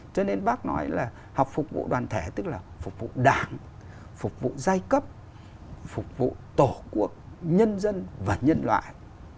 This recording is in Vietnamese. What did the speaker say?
cho nên bác nói là học phục vụ đoàn thể tức là phục vụ đảng phục vụ giai cấp phục vụ tổ quốc nhân dân và nhân loại